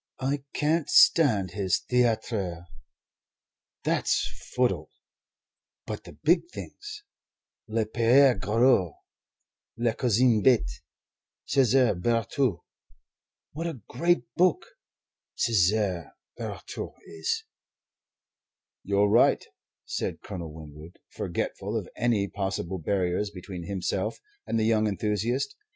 I can't stand his 'Theatre' that's footle but the big things 'Le Pere Goriot,' 'La Cousine Bette,' 'Cesar Birotteau' what a great book 'Cesar Birotteau' is! " "You're right," said Colonel Winwood, forgetful of any possible barriers between himself and the young enthusiast.